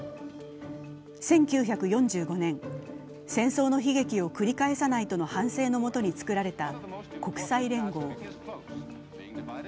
１９４５年、戦争の悲劇を繰り返さないとの反省のもとに作られた国際連合。